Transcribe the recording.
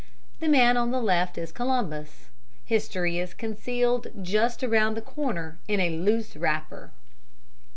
The man on the left is Columbus; History is concealed just around the corner in a loose wrapper.